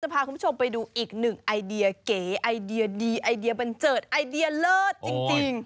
พาคุณผู้ชมไปดูอีกหนึ่งไอเดียเก๋ไอเดียดีไอเดียบันเจิดไอเดียเลิศจริง